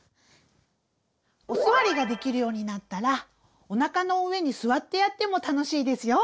お座りができるようになったらおなかの上に座ってやっても楽しいですよ。